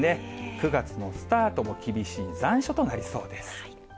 ９月のスタートも厳しい残暑となりそうです。